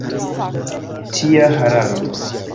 Tia hararo!